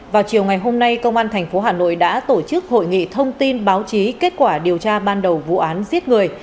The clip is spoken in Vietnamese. vào chiều ngày hôm nay công an tp hà nội đã tổ chức hội nghị thông tin báo chí kết quả điều tra ban đầu vụ án giết người